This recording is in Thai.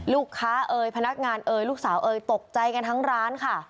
ลูกค้าเอ่ยพนักงานเอ่ยลูกสาวเอ่ยตกใจกันทั้งร้านค่ะ